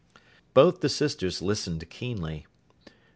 Both the sisters listened keenly.